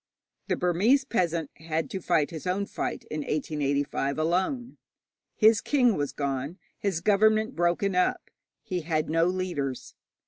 The Burmese peasant had to fight his own fight in 1885 alone. His king was gone, his government broken up, he had no leaders.